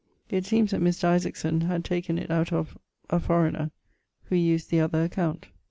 It seemes that Mr. Isaacson had taken it out of ... (a foreigner), who used the other account.